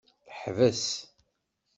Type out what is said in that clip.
Teḥbes.